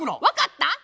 分かった？